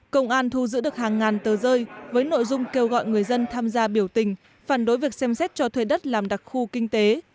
công an thu giữ được hàng ngàn tờ rơi với nội dung kêu gọi người dân tham gia biểu tình phản đối việc xem xét cho thuê đất làm đặc khu kinh tế